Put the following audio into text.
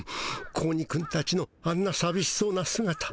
子鬼くんたちのあんなさびしそうなすがた